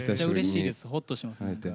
うれしいですほっとします。